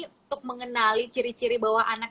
untuk mengenali ciri ciri bahwa anak